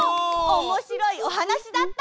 おもしろいおはなしだった！